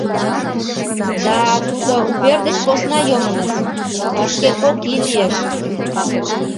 Да тудо увер деч посна йомыныс... вашке кок ий лиеш.